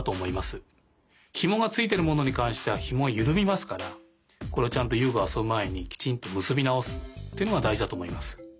ひもがついてるものにかんしてはひもはゆるみますからこれをちゃんと遊具をあそぶまえにきちんとむすびなおすっていうのがだいじだとおもいます。